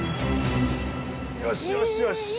よしよしよし！